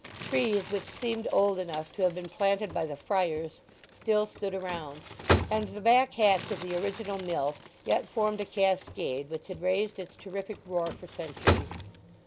Trees which seemed old enough to have been planted by the friars still stood around, and the back hatch of the original mill yet formed a cascade which had raised its terrific roar for centuries.